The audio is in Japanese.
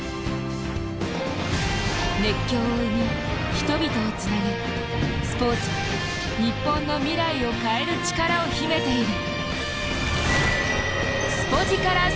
熱狂を生み人々をつなげスポーツは日本の未来を変える力を秘めている。